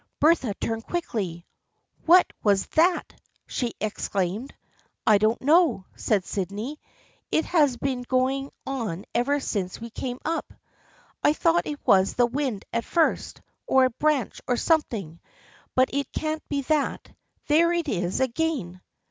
Bertha turned quickly. " What was that ?" she exclaimed. " I don't know," said Sydney. " It has been go ing on ever since we came up. I thought it was the wind at first, or a branch or something, but it can't be that. There it is again